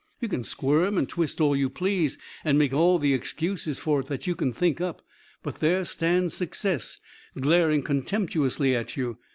You can squirm and twist all you please, and make all the excuses for it that you can think up, but there stands success glaring contemptuously at you.